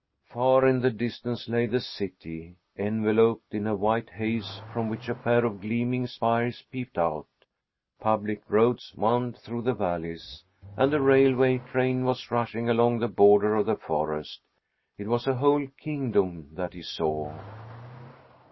Far in the distance lay the city, enveloped in a white haze from which a pair of gleaming spires peeped out. Public roads wound through the valleys, and a railway train was rushing along the border of the forest. It was a whole kingdom that he saw.